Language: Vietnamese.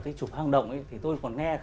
cái chụp hang động thì tôi còn nghe